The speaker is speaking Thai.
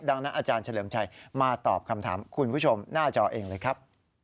ดังนั้นอาจารย์เฉลิมชัยมาตอบคำถามคุณผู้ชมหน้าจอเองเลยครับ